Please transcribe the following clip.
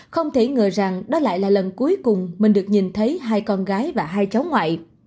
không thể ngờ rằng đó lại là lần cuối cùng mình được nhìn thấy hai con gái và hai cháu ngoại